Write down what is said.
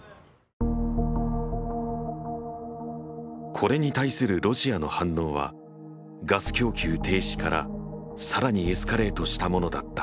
これに対するロシアの反応はガス供給停止からさらにエスカレートしたものだった。